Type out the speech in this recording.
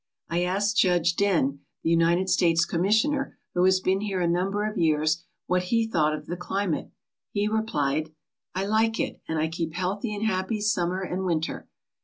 I asked Judge Dehn, the United States Commissioner, who has been here a number of years, what he thought of the climate. He replied: " I like it and I keep healthy and happy summer and winter.